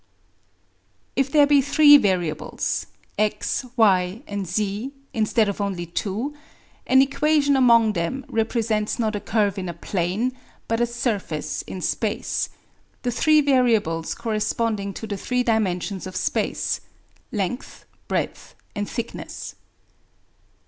If there be three variables x, y, and z, instead of only two, an equation among them represents not a curve in a plane but a surface in space; the three variables corresponding to the three dimensions of space: length, breadth, and thickness.